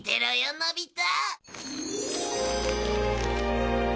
のび太！